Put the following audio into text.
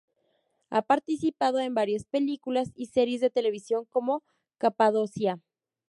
Ha participado en varias películas y series de televisión como "Capadocia".